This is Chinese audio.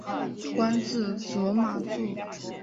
官至左马助。